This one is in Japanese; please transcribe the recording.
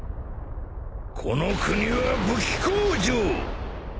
この国は武器工場。